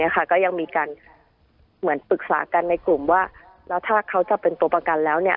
ก็ยังมีการเหมือนปรึกษากันในกลุ่มว่าแล้วถ้าเขาจะเป็นตัวประกันแล้ว